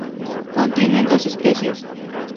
Contiene dos especies.